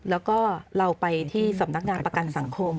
แล้วก็เราไปที่สำนักงานประกันสังคม